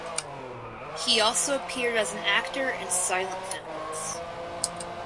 He also appeared as an actor in silent films.